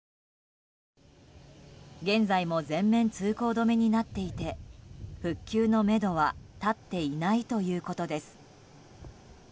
現在も全面通行止めになっていて復旧のめどは立っていないということです。